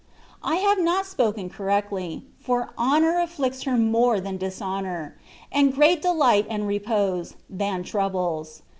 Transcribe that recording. I have not spoken correctly; for ^(mowr afflicts her more than dishonour, and great dehght and re pose, than troubles.